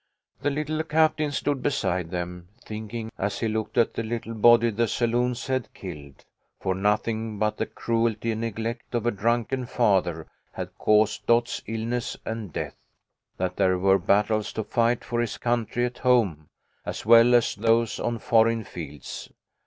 The little captain stood beside them, thinking, as he looked at the little body the saloons had killed (for nothing but the cruelty and neglect of a drunken father had caused Dot's illness and death), that there were battles to fight for his country at home, as well as those on foreign fields.